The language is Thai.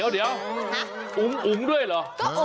เดี๋ยวอุ๋งด้วยหรอ